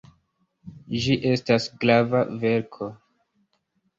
Ĝi estas grava verko.